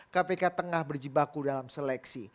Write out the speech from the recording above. kpk tengah berjibaku dalam seleksi